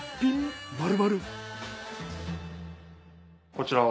こちらは？